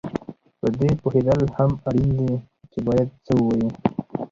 په دې پوهېدل هم اړین دي چې باید څه ووایې